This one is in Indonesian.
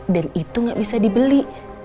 dan itu nggak bisa dibeli